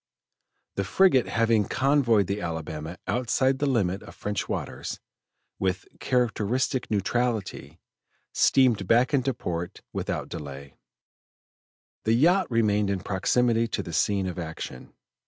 The frigate having convoyed the Alabama outside the limit of French waters, with characteristic neutrality, steamed back into port without delay; the yacht remained in proximity to the scene of action.